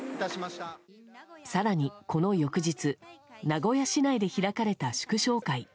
更に、この翌日名古屋市内で開かれた祝勝会。